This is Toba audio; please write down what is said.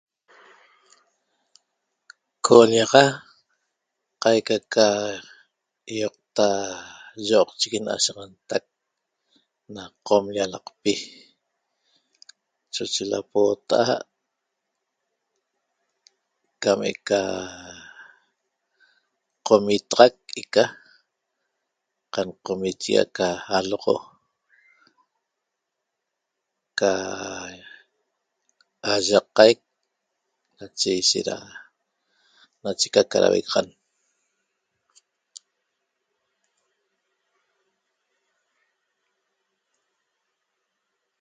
Co'ollaxa qaica ýoqta yi'oqchigui n'ashaxantac na Qom llalaqpi choche lapoota'a't cam eca qomitaxac ica qanqomichigui aca aloxo ca ayaqaic nache ishet da nacheca ca dauegaxan